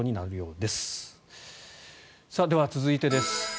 では、続いてです。